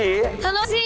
楽しい？